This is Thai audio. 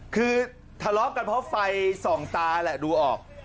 คือทะเลาะกันเพราะไฟส่องตาแหละดูออก